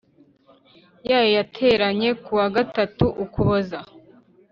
yayo yateranye ku wa gatatu Ukuboza